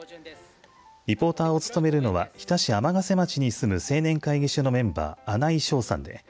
リポーターを務めるのは日田市天瀬町に住む青年会議所のメンバー穴井翔さんです。